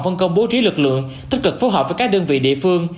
phân công bố trí lực lượng tích cực phối hợp với các đơn vị địa phương